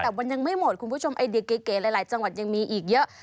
แต่มันยังไม่หมดคุณผู้ชมไอเดียเก๋หลายจังหวัดยังมีอีกเยอะ